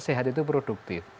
sehat itu produktif